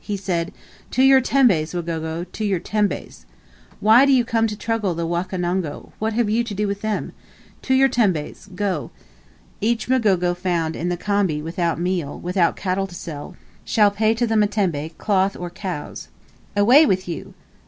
He said, "To your tembes, Wagogo to your tembes! Why, do you come to trouble the Wakonongo: What have you to do with them? To your tembes: go! Each Mgogo found in the khambi without meal, without cattle to sell, shall pay to the mtemi cloth or cows. Away with you!"